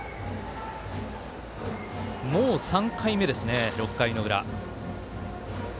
もう３回目ですね、６回の裏。